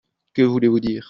Que voulez-vous dire ?